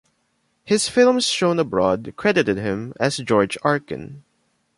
His films shown abroad credited him as George Arkin.